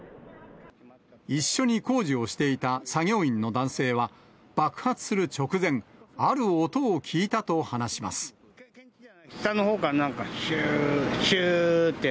一緒に工事をしていた作業員の男性は、爆発する直前、ある音を聞下のほうからなんか、しゅーっ、しゅーって。